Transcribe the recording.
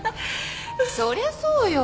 そりゃそうよ